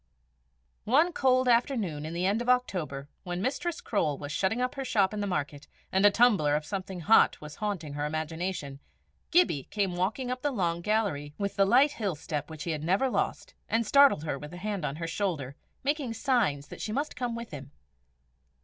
One cold afternoon in the end of October, when Mistress Croale was shutting up her shop in the market, and a tumbler of something hot was haunting her imagination, Gibbie came walking up the long gallery with the light hill step which he never lost, and startled her with a hand on her shoulder, making signs that she must come with him.